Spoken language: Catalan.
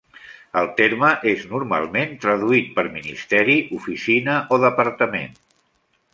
El terme és normalment traduït per ministeri, oficina o departament.